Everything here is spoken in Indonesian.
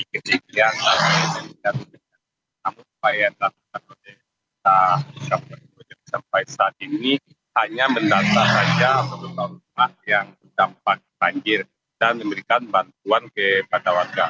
kondisi banjir di kabupaten muarujambi sampai saat ini hanya mendatang saja beberapa lupa yang berdampak banjir dan memberikan bantuan kepada warga